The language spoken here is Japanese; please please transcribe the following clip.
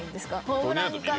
「ホームランかな？」